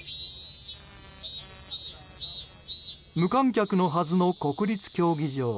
無観客のはずの国立競技場。